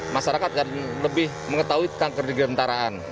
masyarakat akan lebih mengetahui kanker digentaraan